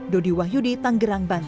dodi wahyudi tanggerang banten